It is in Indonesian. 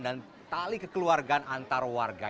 dan tali kekeluargaan antar warga